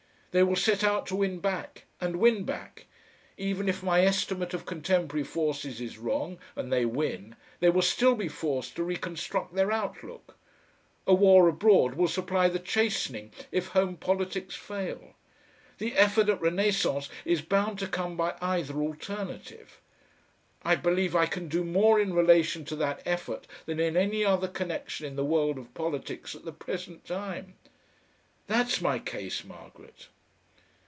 They will set out to win back, and win back. Even if my estimate of contemporary forces is wrong and they win, they will still be forced to reconstruct their outlook. A war abroad will supply the chastening if home politics fail. The effort at renascence is bound to come by either alternative. I believe I can do more in relation to that effort than in any other connexion in the world of politics at the present time. That's my case, Margaret."